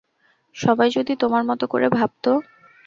সবাই যদি তোমার মত করে ভাবত!